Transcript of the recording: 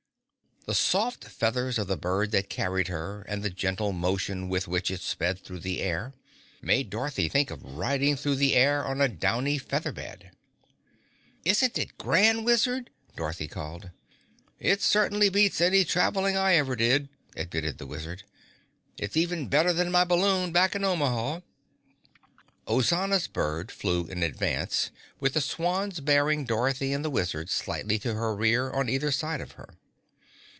The soft feathers of the bird that carried her, and the gentle motion with which it sped through the air made Dorothy think of riding through the sky on a downy feather bed. "Isn't it grand, Wizard!" Dorothy called. "It certainly beats any traveling I ever did," admitted the Wizard. "It's even better than my balloon back in Omaha." Ozana's bird flew in advance, with the swans bearing Dorothy and the Wizard slightly to her rear on either side of her.